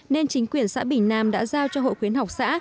nên chính quyền xã bình nam đã giao cho hội khuyến học xã